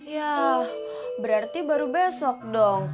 ya berarti baru besok dong